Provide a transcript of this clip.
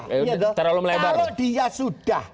kalau dia sudah